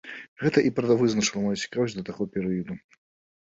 Гэта і прадвызначыла маю цікавасць да таго перыяду.